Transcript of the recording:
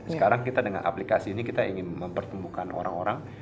sekarang kita dengan aplikasi ini kita ingin mempertemukan orang orang